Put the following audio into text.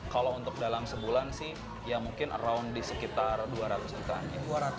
kalau untuk dalam sebulan sih ya mungkin around di sekitar dua ratus jutaan